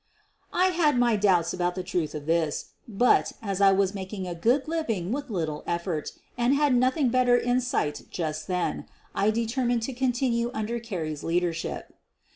I had my doubts about the truth of this, but, as I was making a good living with little effort and had nothing better in sight just then, I determined to continue under Carrie's leadership.